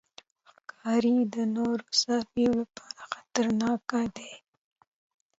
ښکاري د نورو څارویو لپاره خطرناک دی.